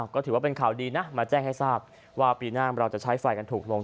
ก็ถือว่าเป็นข่าวดีนะมาแจ้งให้ทราบว่าปีหน้าเราจะใช้ไฟกันถูกลง